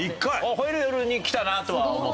『吠える夜』に来たなとは思った。